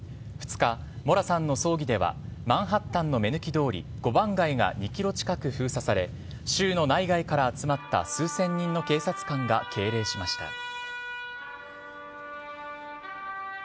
２日、モラさんの葬儀ではマンハッタンの目抜き通り５番街が２ｋｍ近く封鎖され州の内外から集まった数千人の警察官が敬礼しました。